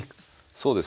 そうですね。